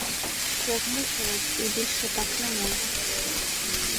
Я змучилась і більше так не можу.